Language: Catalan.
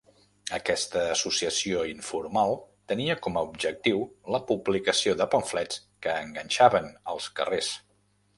Aquesta associació informal tenia com a objectiu la publicació de pamflets que enganxaven als carrers.